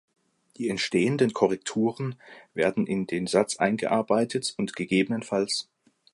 Die entstehenden Korrekturen werden in den Satz eingearbeitet und ggfs.